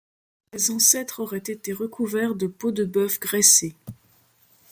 Ses ancêtres auraient été recouverts de peaux de bœuf graissées.